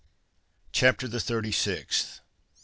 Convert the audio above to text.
CHAPTER THE THIRTY SIXTH.